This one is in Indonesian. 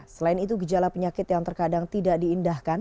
selain itu gejala penyakit yang terkadang tidak diindahkan